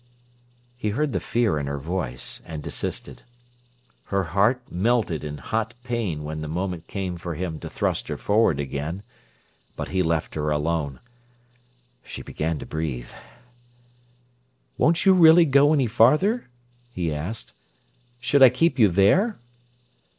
He heard the fear in her voice, and desisted. Her heart melted in hot pain when the moment came for him to thrust her forward again. But he left her alone. She began to breathe. "Won't you really go any farther?" he asked. "Should I keep you there?"